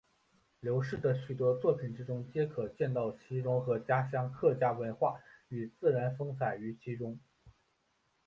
刘氏的许多作品之中皆可见到其融合家乡客家文化与自然风采于其中。